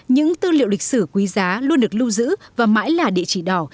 những tư liệu lịch sử quý giá luôn được lưu giữ và mãi là địa chỉ đỏ